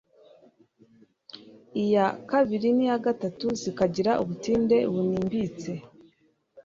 iya kabiri n'iya gatatu zikagira ubutinde bunimbitse,